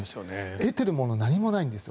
得てるもの、何もないんです。